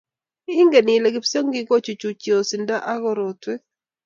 Ingen ile kipsongik kochuchuchi osindo ak korotwek?